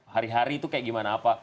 hari hari itu kayak gimana apa